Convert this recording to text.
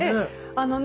あのね